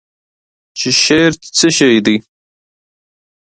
چې شعر څه شی دی؟